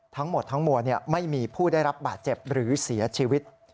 ทั้งหมดทั้งมวลไม่มีผู้ได้รับบาดเจ็บหรือเสียชีวิต